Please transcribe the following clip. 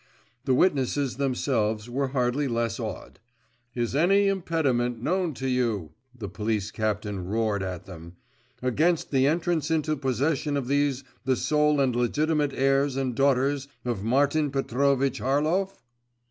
The witnesses themselves were hardly less awed. 'Is any impediment known to you,' the police captain roared at them, 'against the entrance into possession of these the sole and legitimate heirs and daughters of Martin Petrovitch Harlov?